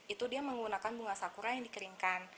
itu dia menggunakan bunga sakura yang dikeringkan